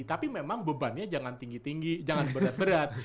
tapi memang bebannya jangan tinggi tinggi jangan berat berat